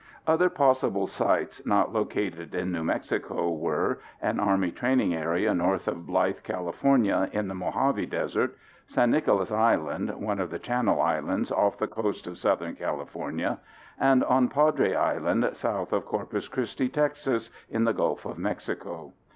Other possible sites not located in New Mexico were: an Army training area north of Blythe, California, in the Mojave Desert; San Nicolas Island (one of the Channel Islands) off the coast of Southern California; and on Padre Island south of Corpus Christi, Texas, in the Gulf of Mexico.